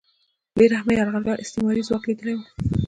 بې رحمه یرغلګر استعماري ځواک لیدلی و